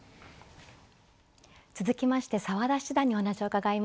続きまして澤田七段にお話を伺います。